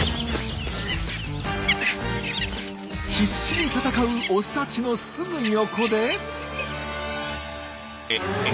必死に戦うオスたちのすぐ横でええ？